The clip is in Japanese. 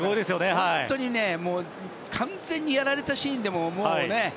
本当にね完全にやられたシーンでも。